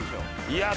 いや。